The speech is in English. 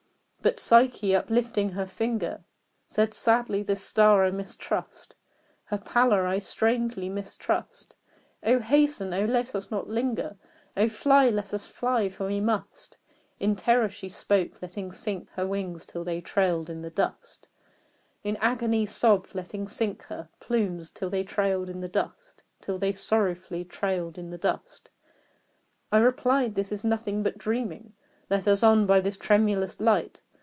But Psyche, uplifting her finger, Said "Sadly this star I mistrust Her pallor I strangely mistrust: Oh, hasten! oh, let us not linger! Oh, fly! let us fly! for we must." In terror she spoke, letting sink her Wings till they trailed in the dust In agony sobbed, letting sink her Plumes till they trailed in the dust Till they sorrowfully trailed in the dust. I replied "This is nothing but dreaming: Let us on by this tremulous light!